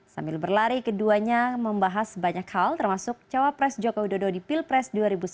sambil berlari keduanya membahas banyak hal termasuk cawapres jokowi dodo di pilpres dua ribu sembilan belas